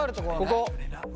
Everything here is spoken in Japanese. ここ。